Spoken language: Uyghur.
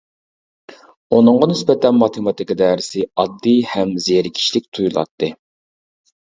ئۇنىڭغا نىسبەتەن ماتېماتىكا دەرسى ئاددىي ھەم زېرىكىشلىك تۇيۇلاتتى.